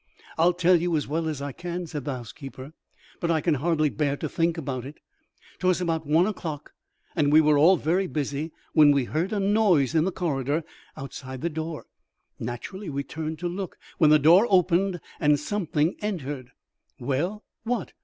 "I'll tell you as well as I can," said the housekeeper, "but I can hardly bear to think about it. Twas about one o'clock, and we were all very busy, when we heard a noise in the corridor outside the door. Naturally we turned to look, when the door opened and something entered." "Well, what?